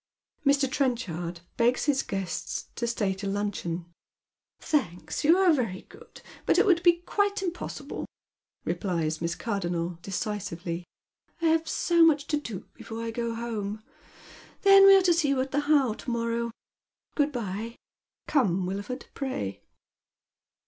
Mr. Trenchard begs his guests to stay to luncheon. " Thanks ; you are very good, but it would be quite impossible," replies Miss Cardonnel, decisively. " I have so much to do before I go home. Then we are to see you at the How to mon ow. Good bye — Come, Wilford, pray."